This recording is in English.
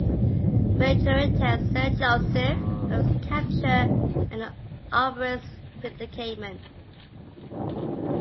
Maturin tells Sir Joseph of his capture and Aubrey's predicament.